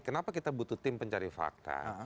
kenapa kita butuh tim pencari fakta